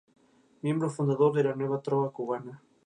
Miembro fundador de la Nueva Trova Cubana.